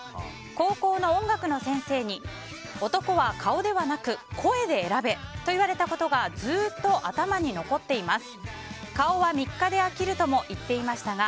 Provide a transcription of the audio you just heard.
高校の音楽の先生に男は顔ではなく声で選べと言われたことがずっと頭に残っています。